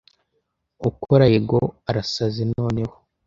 ukora yego urasaze noneho